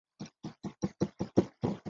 威瓦拥有一个特别的名称。